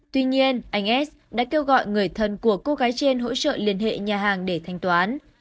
tuy nhiên anh s đã kêu gọi người thân của cô gái trên hỗ trợ liên hệ nhà hàng để thanh toán